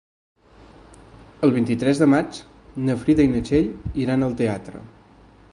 El vint-i-tres de maig na Frida i na Txell iran al teatre.